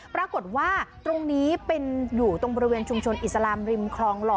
ปรากฏว่าตรงนี้เป็นอยู่ตรงบริเวณชุมชนอิสลามริมคลองหล่อ